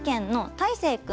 たいせいくん。